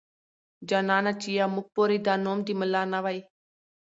جانانه چې يا موږ پورې دا نوم د ملا نه واي.